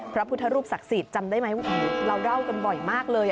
พระพุทธรูปศักดิ์สิทธิ์จำได้ไหมเราเล่ากันบ่อยมากเลย